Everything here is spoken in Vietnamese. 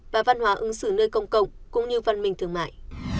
và văn hóa ứng xử nơi công cộng cũng như văn minh thương mại